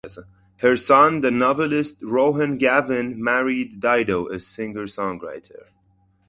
Her son, the novelist Rohan Gavin, married Dido, a singer-songwriter.